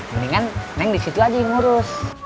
mendingan leng disitu aja yang ngurus